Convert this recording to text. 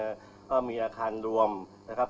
มีพื้นที่ทั่วไปที่จะผ่อนคลาย